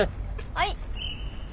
はい。